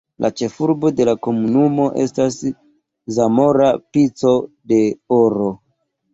La ĉefurbo de la komunumo estas Zamora Pico de Oro.